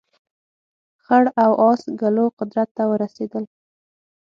خړ او اس ګلو قدرت ته ورسېدل.